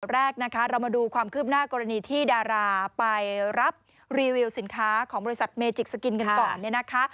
แรกนะคะเรามาดูความคืบหน้ากรณีที่ดาราไปรับรีวิวสินค้าของบริษัทเมจิกสกินกันก่อนเนี่ยนะคะ